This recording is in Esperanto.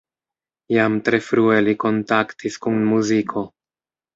Jam tre frue li kontaktis kun muziko.